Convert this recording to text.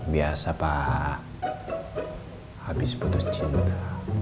biasa pak habis putus cinta